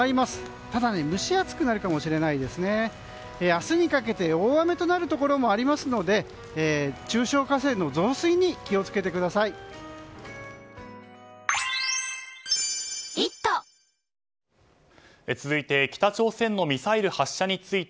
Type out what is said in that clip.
明日にかけて大雨になるところもありますので中小河川の増水に気を付けてください。